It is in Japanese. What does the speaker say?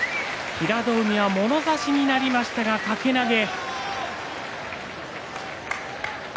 平戸海はもろ差しになりましたが掛け投げ。